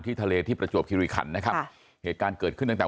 ที่ทะเลที่ประจวบฮิริขันต์นะครับเหตุการเกิดขึ้นตั้งจาก